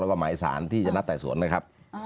แล้วก็หมายสารที่จะนัดไต่สวนนะครับ